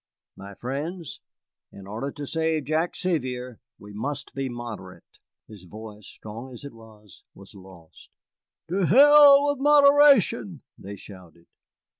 My friends, in order to save Jack Sevier we must be moderate." His voice, strong as it was, was lost. "To hell with moderation!" they shouted.